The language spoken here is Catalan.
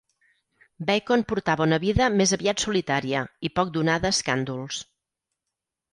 Bacon portava una vida més aviat solitària i poc donada a escàndols.